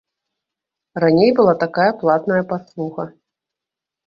Раней была такая платная паслуга.